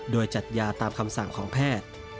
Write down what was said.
โดยจัดยาตามคำสั่งของแพทย์